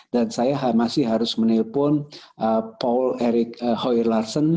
dan saya masih harus menelpon paul eric hoyer larsen